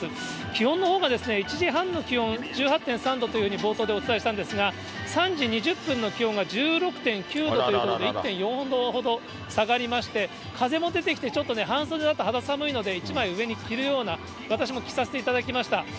気温のほうが１時半の気温１８．３度というふうに冒頭でお伝えしたんですが、３時２０分の気温が１６．９度ということで、１．４度ほど下がりまして、風も出てきて、ちょっと半袖だと肌寒いので、１枚上に着るような、私も着させていただきました。